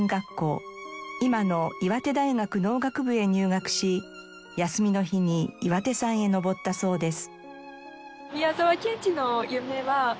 今の岩手大学農学部へ入学し休みの日に岩手山へ登ったそうです。